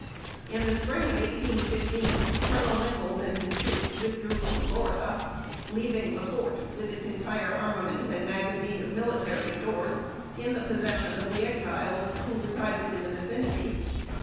In the spring of 1815, Colonel Nichols and his troops withdrew from Florida, leaving the fort, with its entire armament and magazine of military stores, in the possession of the Exiles, who resided in the vicinity.